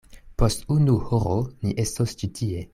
Post unu horo ni estos ĉi tie.